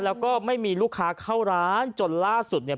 แล้วก็ไม่มีลูกค้าเข้าร้านจนล่าสุดเนี่ย